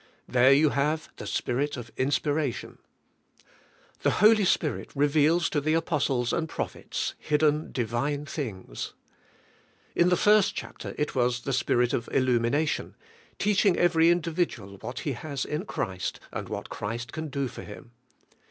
There you have the Spirit of inspiration. The Holy the; HOI.Y SPIRIT IN KPHKSIANS. 63 Spirit reveals to the apostles and prophets hidden divine things. In the first chapter it was the Spirit of illumination, teaching every individual what he has in Christ and what Christ can do for him.